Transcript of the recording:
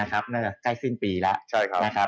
ใกล้สิ้นปีแล้ว